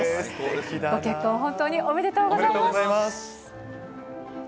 ご結婚、本当におめでとうございます。